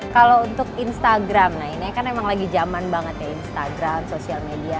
kalau untuk instagram nah ini kan emang lagi zaman banget ya instagram social media